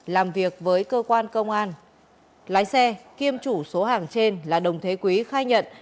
làm việc với cơ quan công an lái xe kiêm chủ số hàng trên là đồng thế quý khai nhận